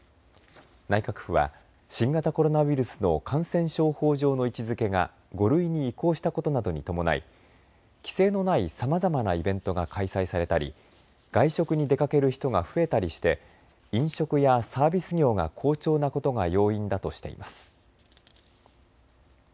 内閣府は新型コロナウイルスの感染症法上の位置づけが５類に移行したことなどに伴い規制のない、さまざまなイベントが開催されたり、外食に出かける人が増えたりして飲食やサービス業が好調なことが要因だとしています。